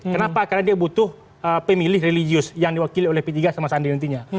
kenapa karena dia butuh pemilih religius yang diwakili oleh p tiga sama sandi nantinya